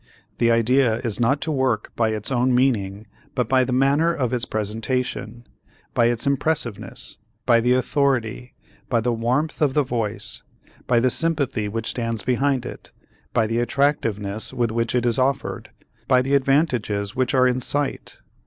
The idea is not to work by its own meaning but by the manner of its presentation, by its impressiveness, by the authority, by the warmth of the voice, by the sympathy which stands behind it, by the attractiveness with which it is offered, by the advantages which are in sight.